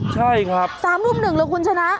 ใช่ครับสามรูปหนึ่งหรือคุณชนะ